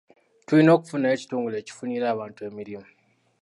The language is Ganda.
Tulina okufunayo ekitongole ekifunira abantu emirimu.